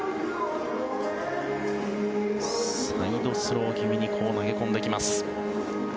サイドスロー気味に投げ込んできます。